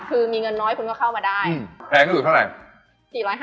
คือมีเงินน้อยคุณก็เข้ามาได้แพงที่สุดเท่าไหร่